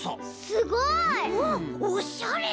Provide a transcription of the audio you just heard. すごい！おしゃれ！